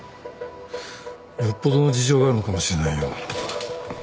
よっぽどの事情があるのかもしれないよ。